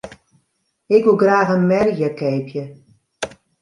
Ik woe graach in merje keapje.